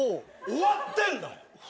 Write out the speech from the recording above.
終わってんだ！